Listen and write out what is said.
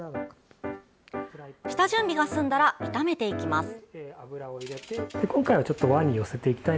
下準備が済んだら炒めていきます。